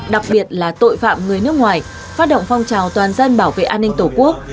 đặc biệt là tội phạm người nước ngoài phát động phong trào toàn dân bảo vệ an ninh tổ quốc